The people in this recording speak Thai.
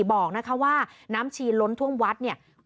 บอกว่าน้ำชีนล้นถ้วงวัด